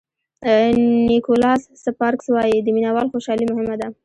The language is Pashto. نیکولاس سپارکز وایي د مینه وال خوشالي مهمه ده.